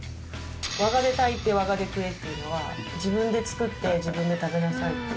「我がで炊いて我がで食え」っていうのは自分で作って自分で食べなさいっていう。